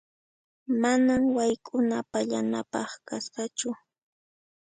Manan wayk'una pallanapaq kasqachu.